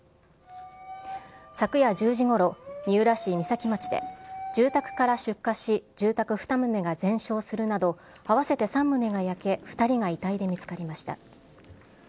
昨夜１０時ごろ、三浦市三崎町で住宅から出火し、住宅２棟が全焼するなど合わせて３棟が焼け、２人が遺体で見つかりました。